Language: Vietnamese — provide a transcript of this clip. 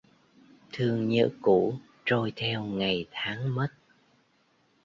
Thương nhớ cũ trôi theo ngày tháng mất